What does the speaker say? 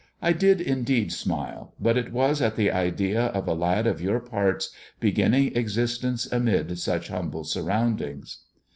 " I did indeed smile, but it was at the idea of a lad of your parts beginning existence amid such humble surroundings."